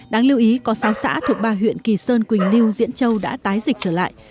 đáng lưu ý có sáu xã thuộc ba huyện kỳ sơn quỳnh lưu diễn châu đã tái dịch trở lại